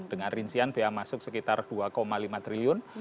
dengan rincian biaya masuk sekitar dua lima triliun